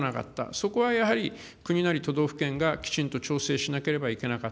そこはやはり国なり都道府県がきちんと調整しなければいけなかっ